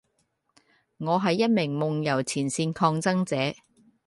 我係一名夢遊前線抗爭者